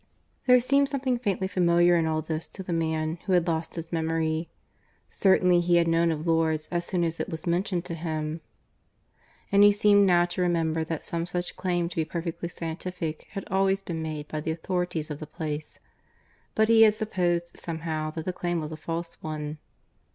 There seemed something faintly familiar in all this to the man who had lost his memory. ... Certainly he had known of Lourdes as soon as it was mentioned to him, and he seemed now to remember that some such claim to be perfectly scientific had always been made by the authorities of the place. But he had supposed, somehow, that the claim was a false one.